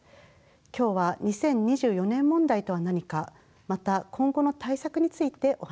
今日は２０２４年問題とは何かまた今後の対策についてお話しいたします。